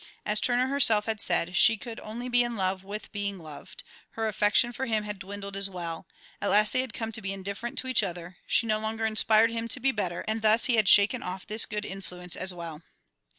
As Turner herself had said, she could only be in love with being loved; her affection for him had dwindled as well; at last they had come to be indifferent to each other, she no longer inspired him to be better, and thus he had shaken off this good influence as well.